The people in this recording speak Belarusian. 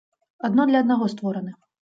Адно для аднаго створаны.